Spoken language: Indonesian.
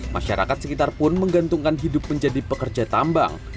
masyarakat sekitar pun menggantungkan hidup menjadi pekerja tambang